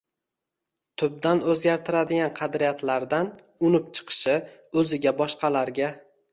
tubdan o‘zgartiradigan qadriyatlardan unib chiqishi, o‘ziga, boshqalarga